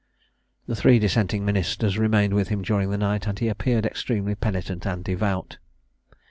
The three dissenting ministers remained with him during the night, and he appeared extremely penitent and devout.